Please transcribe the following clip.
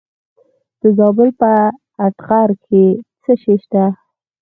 د زابل په اتغر کې څه شی شته؟